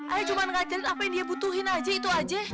ayah cuma ngajarin apa yang dia butuhin aja itu aja